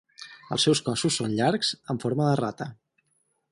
Els seus cossos són llargs amb forma de rata.